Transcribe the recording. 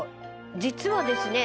実はですね。